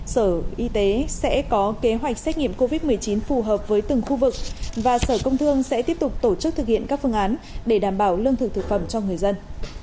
sở y tế sẽ có kế hoạch xét nghiệm covid một mươi chín phù hợp với từng khu vực và sở công thương sẽ tiếp tục tổ chức thực hiện các phương án để đảm bảo lương thực thực phẩm cho người dân